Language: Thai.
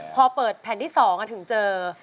พอเปิดแผ่นที่๒ถึงเจอ